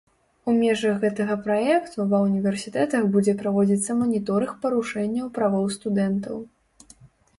У межах гэтага праекту ва ўніверсітэтах будзе праводзіцца маніторынг парушэнняў правоў студэнтаў.